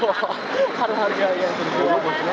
ini adalah harga yang terjual